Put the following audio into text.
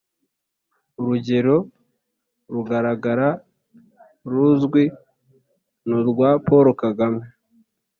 urugero rugaragara ruzwi n'urwa paul kagame.